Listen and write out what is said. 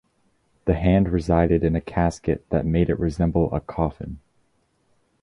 The Hand resided in a casket that made it resemble a coffin.